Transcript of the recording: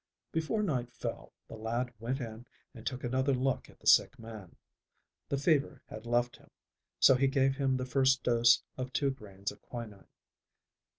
Before night fell the lad went in and took another look at the sick man. The fever had left him, so he gave him the first dose of two grains of quinine.